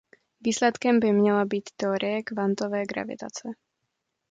Výsledkem by měla být teorie kvantové gravitace.